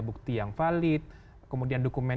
bukti yang valid kemudian dokumen